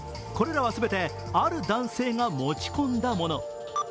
これらは全てある男性が持ち込んだもの。